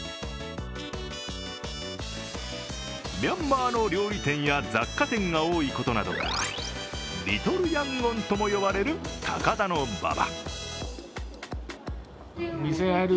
ミャンマーの料理店や雑貨店が多いことなどからリトルヤンゴンとも呼ばれる高田馬場。